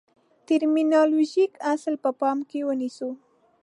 ټرمینالوژیک اصل په پام کې ونیسو.